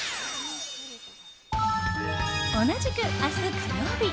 同じく明日、火曜日。